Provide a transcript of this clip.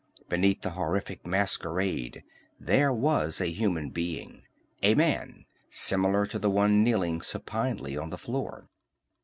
Beneath the horrific masquerade there was a human being, a man similar to the one kneeling supinely on the floor.